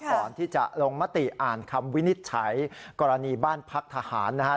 ก่อนที่จะลงมติอ่านคำวินิจฉัยกรณีบ้านพักทหารนะครับ